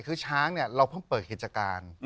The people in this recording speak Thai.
คือช้างเนี่ยเราเพิ่งเปิดกิจการ